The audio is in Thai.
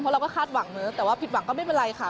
เราก็คาดหวังเนอะแต่ว่าผิดหวังก็ไม่เป็นไรค่ะ